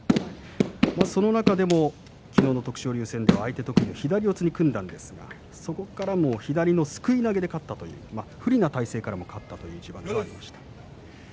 その中でも昨日の徳勝龍戦では相手と左四つに組んだんですがそこから左のすくい投げで勝ったと不利な体勢からも勝ったという一番がありました。